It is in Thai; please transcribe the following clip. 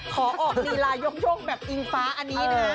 ขอออกธีรายกยกโชคแบบอิงฟ้าอันนี้นะ